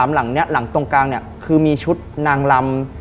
๓หลังนี้หลังตรงกลางคือมีชุดนางลำ